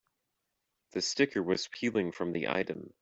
The sticker was peeling from the item.